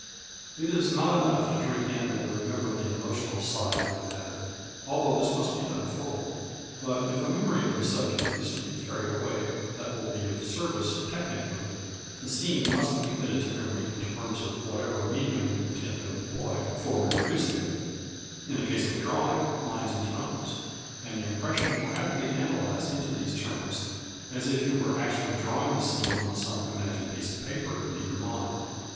It is not enough to drink in and remember the emotional side of the matter, although this must be done fully, but if a memory of the subject is to be carried away that will be of service technically, the scene must be committed to memory in terms of whatever medium you intend to employ for reproducing it in the case of a drawing, lines and tones. And the impression will have to be analysed into these terms as if you were actually drawing the scene on some imagined piece of paper in your mind.